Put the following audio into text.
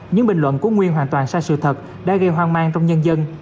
những bình luận của nguyên hoàn toàn sai sự thật đã gây hoang mang trong nhân dân